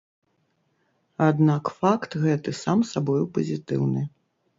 Аднак факт гэты сам сабою пазітыўны.